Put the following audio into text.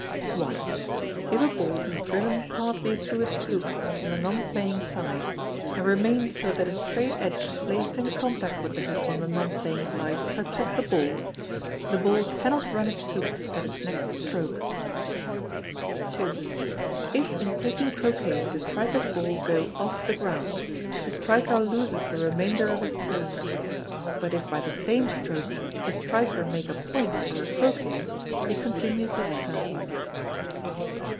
i. If a ball be driven partly through its hoop from the non playing side, and remain so that a straight edge placed in contact with the hoop on the non playing side touches the ball, the ball cannot run its hoop at its next stroke. ii. If in taking Croquet the striker's ball go off the ground, the striker loses the remainder of his turn; but if by the same stroke the striker make a point or a Croquet, he continues his turn.